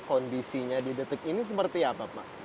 kondisinya di detik ini seperti apa pak